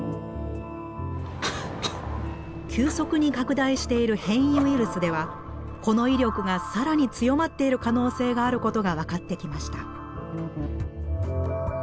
急速に拡大している変異ウイルスではこの威力が更に強まっている可能性があることが分かってきました。